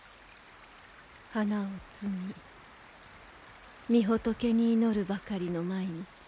花を摘み御仏に祈るばかりの毎日。